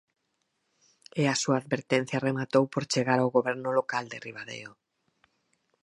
E a súa advertencia rematou por chegar ao Goberno local de Ribadeo.